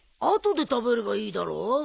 後で食べればいいだろ？